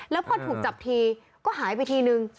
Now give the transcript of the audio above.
แล้วพอถูกจับทีก็หายไปทีนึง